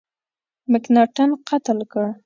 مکناټن قتل کړ.